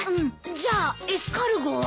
じゃあエスカルゴは？